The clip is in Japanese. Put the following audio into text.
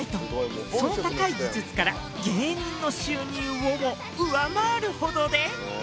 その高い技術から芸人の収入をも上回るほどで。